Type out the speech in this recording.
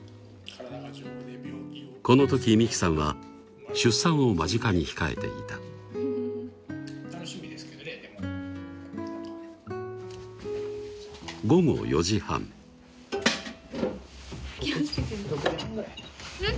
この時美紀さんは出産を間近に控えていた午後４時半６時半ぐらいうん？